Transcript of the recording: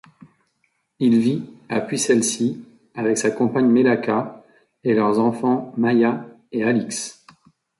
Il vit à Puycelsi avec sa compagne Mélaka et leurs enfants Maya et Alix.